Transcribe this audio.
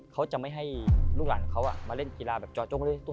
เขาจะไม่ให้ลูกหลานของเขามาเล่นกีฬาแบบจอจงเลย